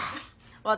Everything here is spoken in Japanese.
私